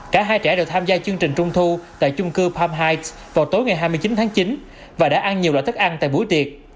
cả hai trẻ đều tham gia chương trình trung thu tại chung cư palm heights vào tối ngày hai mươi chín tháng chín và đã ăn nhiều loại thức ăn tại buổi tiệc